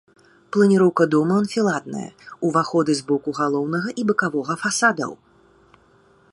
Планіроўка дома анфіладная, уваходы з боку галоўнага і бакавога фасадаў.